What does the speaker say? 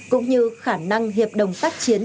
cũng như khả năng hiệp đồng tác chiến